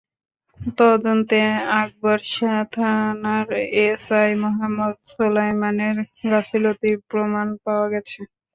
তদন্তে আকবর শাহ থানার এসআই মোহাম্মদ সোলায়মানের গাফিলতির প্রমাণ পাওয়া গেছে।